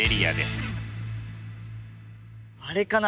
あれかな？